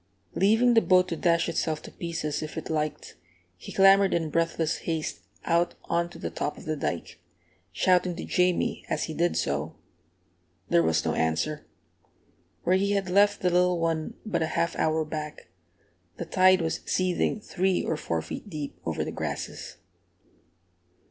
Leaving the boat to dash itself to pieces if it liked, he clambered in breathless haste out on to the top of the dike, shouting to Jamie as he did so. There was no answer. Where he had left the little one but a half hour back, the tide was seething three or four feet deep over the grasses.